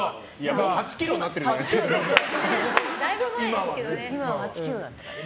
もう８ｋｇになってるじゃないですか。